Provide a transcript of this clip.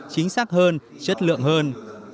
chính xác hơn chất lượng hơn